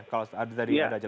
kalau tadi anda jelasin